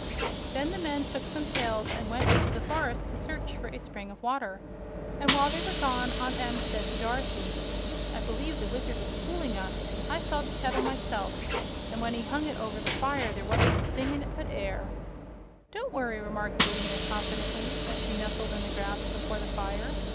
Then the men took some pails and went into the forest to search for a spring of water, and while they were gone Aunt Em said to Dorothy: "I believe the Wizard is fooling us. I saw the kettle myself, and when he hung it over the fire there wasn't a thing in it but air." "Don't worry," remarked Billina, confidently, as she nestled in the grass before the fire.